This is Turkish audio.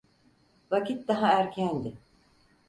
Vakit daha erkendi.